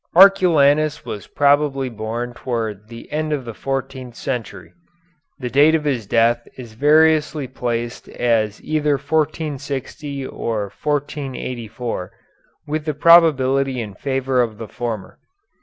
Arculanus was probably born towards the end of the fourteenth century. The date of his death is variously placed as either 1460 or 1484, with the probability in favor of the former.